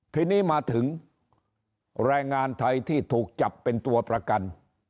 ทีนี้มาถึงแรงงานไทยที่ถูกจับเป็นตัวประกัน